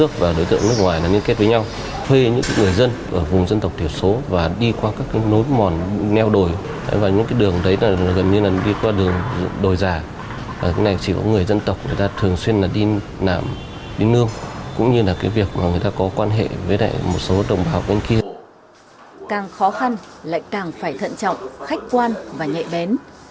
càng khó khăn lại càng phải thận trọng khách quan và nhẹ bén